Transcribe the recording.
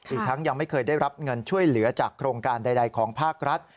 อีกทั้งยังไม่เคยได้รับเงินช่วยเหลือจากโครงการใดของภาครัฐ